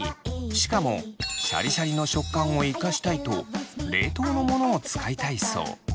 しかもシャリシャリの食感を生かしたいと冷凍のものを使いたいそう。